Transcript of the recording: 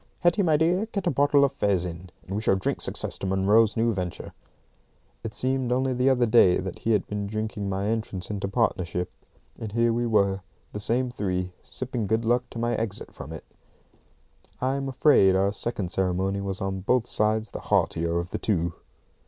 "Hetty, my dear, get a bottle of fez in, and we shall drink success to Munro's new venture." It seemed only the other day that he had been drinking my entrance into partnership; and here we were, the same three, sipping good luck to my exit from it! I'm afraid our second ceremony was on both sides the heartier of the two.